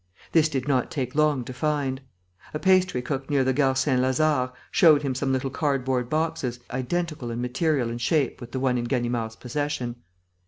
This did not take long to find. A pastry cook near the Gare Saint Lazare showed him some little cardboard boxes, identical in material and shape with the one in Ganimard's possession.